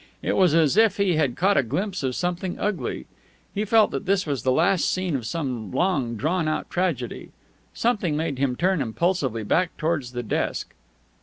It was as if he had caught a glimpse of something ugly. He felt that this was the last scene of some long drawn out tragedy. Something made him turn impulsively back towards the desk.